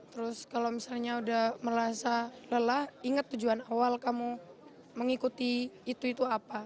terus kalau misalnya udah merasa lelah ingat tujuan awal kamu mengikuti itu itu apa